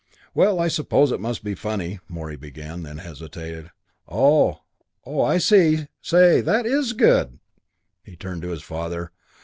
"Well, I suppose it must be funny," Morey began, then hesitated. "Oh I see say, that is good!" He turned to his father.